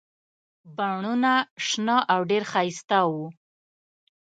بڼونه شنه او ډېر ښایسته وو.